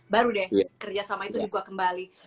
baru deh kerjasama itu juga kembali